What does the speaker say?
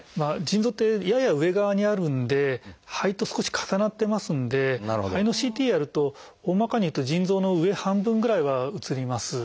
腎臓ってやや上側にあるんで肺と少し重なってますんで肺のＣＴやると大まかにいうと腎臓の上半分ぐらいは写ります。